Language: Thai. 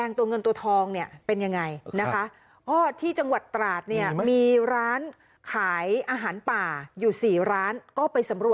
ต้นทุนมันแพงกว่าเขาไม่ไปทำ